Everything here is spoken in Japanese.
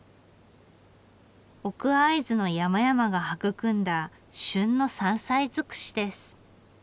奥会津の山々が育んだ旬の山菜尽くしです。